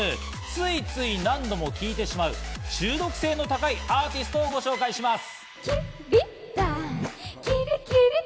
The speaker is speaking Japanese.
ついつい何度も聴いてしまう、中毒性の高いアーティストをご紹介します。